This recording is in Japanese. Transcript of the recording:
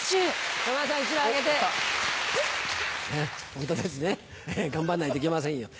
ホントですね頑張んないといけませんよ。